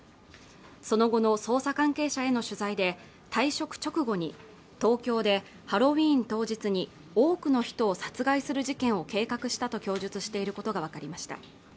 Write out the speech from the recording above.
その後の捜査関係者への取材で退職直後に東京でハロウィーン当日に多くの人を殺害する事件を計画したと供述していることが分かりました